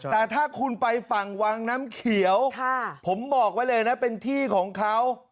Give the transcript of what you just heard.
แต่ถ้าคุณไปฝั่งวังน้ำเขียวผมบอกไว้เลยนะเป็นที่ของเขา